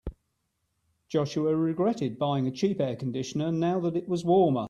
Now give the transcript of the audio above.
Joshua regretted buying a cheap air conditioner now that it was warmer.